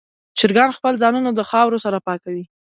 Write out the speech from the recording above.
چرګان خپل ځانونه د خاورو سره پاکوي.